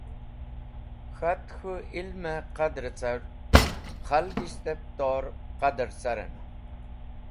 K̃hat k̃hũ ilmẽ qadrẽ car khlagishtẽb tor qadr carẽn.